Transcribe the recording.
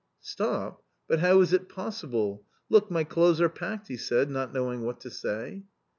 "Stop! but how is it possible? Look, my clothes are packed," he said, not knowing what to say.